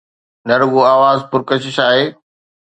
نه رڳو آواز پرڪشش آهي.